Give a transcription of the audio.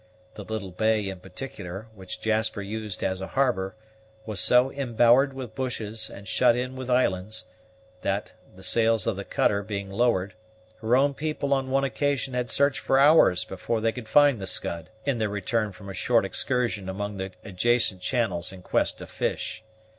The little bay in particular, which Jasper used as a harbor, was so embowered with bushes and shut in with islands, that, the sails of the cutter being lowered, her own people on one occasion had searched for hours before they could find the Scud, in their return from a short excursion among the adjacent channels in quest of fish.